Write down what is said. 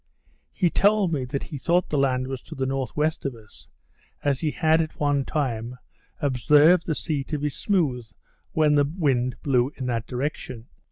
He told me that he thought the land was to the N.W. of us,; as he had, at one time, observed the sea to be smooth when the wind blew in that direction.